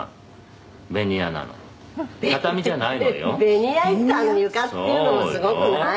「ベニヤ板の床っていうのもすごくない？」